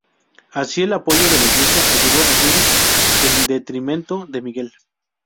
Así el apoyo de la Iglesia ayudó a Yuri en detrimento de Miguel.